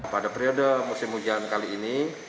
pada periode musim hujan kali ini